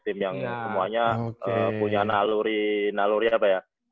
tim yang semuanya punya naluri apa ya